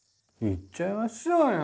行っちゃいましょうよ。